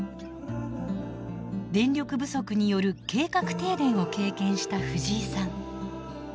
電力不足による計画停電を経験したフジイさん。